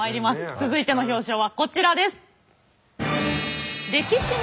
続いての表彰はこちらです。